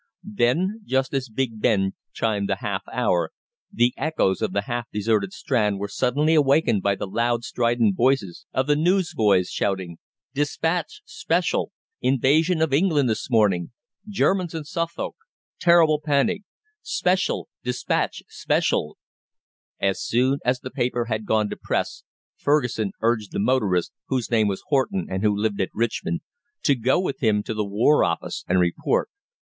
Then, just as Big Ben chimed the half hour, the echoes of the half deserted Strand were suddenly awakened by the loud, strident voices of the newsboys shouting: "'Dispatch,' spe shall! Invasion of England this morning! Germans in Suffolk! Terrible panic! Spe shall! 'Dispatch,' Spe shall!" As soon as the paper had gone to press Fergusson urged the motorist whose name was Horton, and who lived at Richmond to go with him to the War Office and report.